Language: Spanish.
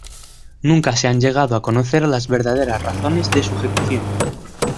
Nunca se han llegado a conocer las verdaderas razones de su ejecución.